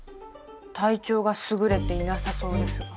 体調がすぐれていなさそうですが。